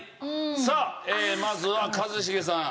さあまずは一茂さん。